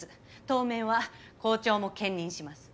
当面は校長も兼任します。